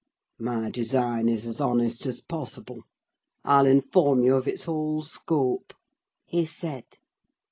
"My design is as honest as possible. I'll inform you of its whole scope," he said.